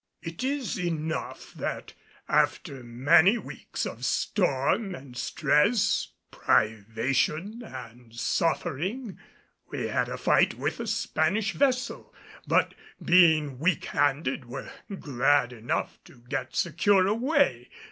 It is enough that after many weeks of storm and stress, privation and suffering, we had a fight with a Spanish vessel, but being weak handed were glad enough to get secure away.